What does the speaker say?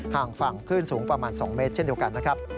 ห่างฝั่งคลื่นสูงประมาณ๒เมตรเช่นเดียวกันนะครับ